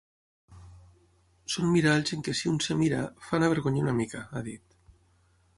Són miralls en què si un es mira, fan avergonyir una mica, ha dit.